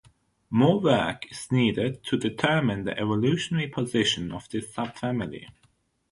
More work is needed to determine the evolutionary position of this subfamily.